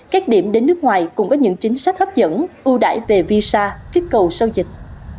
các điểm đến nước ngoài cũng có những chính sách hấp dẫn ưu đải về visa kích cầu sau dịch